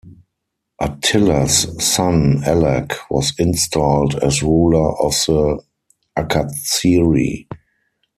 Attila's son Ellac was installed as ruler of the Akatziri.